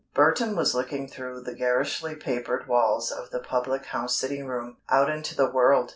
Burton was looking through the garishly papered walls of the public house sitting room, out into the world.